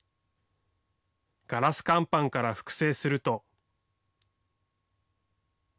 ガラス乾板から複製すると。